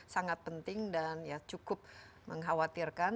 sangat penting dan cukup mengkhawatirkan